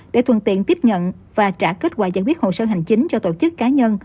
để thuận tiện tiếp nhận và trả kết quả giải quyết hồ sơ hành chính cho tổ chức cá nhân